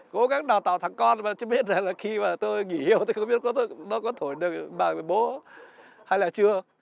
cố gắng đào tạo thằng con mà chứ biết là khi mà tôi nghỉ hiệu tôi không biết nó có thổi được bà bà bố hay là chưa